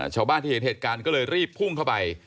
ชาวบ้านที่เห็นเหตุการณ์ก็เลยรีบพุ่งเข้าไป